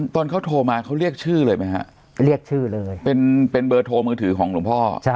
ตอนเขาโทรมาเขาเรียกชื่อเลยไหมฮะเรียกชื่อเลยเป็นเบอร์โทรมือถือของหลวงพ่อ